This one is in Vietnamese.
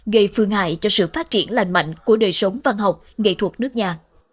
gây phương hại cho sự phát triển lành mạnh của đời sống văn học nghệ thuật nước nhà